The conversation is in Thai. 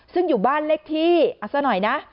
ซึ่งอยู่บ้านเลขที่เอาซะหน่อยนะ